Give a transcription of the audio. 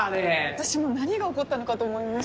私も何が起こったのかと思いました。